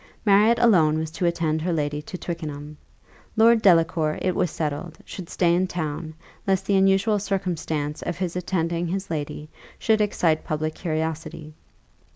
Marriott alone was to attend her lady to Twickenham. Lord Delacour, it was settled, should stay in town, lest the unusual circumstance of his attending his lady should excite public curiosity.